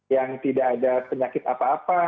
yang tidak ada penyakit apa apa